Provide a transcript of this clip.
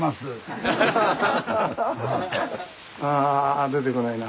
あ出てこないな。